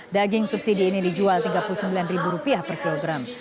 daging subsidi ini dijual rp tiga puluh sembilan per kilogram